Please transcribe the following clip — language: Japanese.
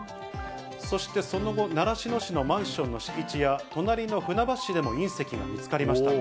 そして、その後、習志野市のマンションの敷地や、隣の船橋市でも隕石が見つかりました。